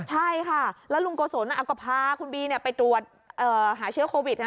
ใช่ค่ะแล้วลุงโกศลก็พาคุณบีไปตรวจหาเชื้อโควิด